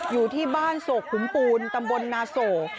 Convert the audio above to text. อยู่ที่บ้านโศกขุมปูนตำบลนาโศก